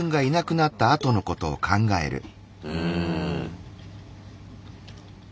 うん。